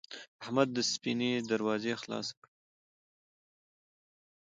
احمد د سفینې دروازه خلاصه کړه.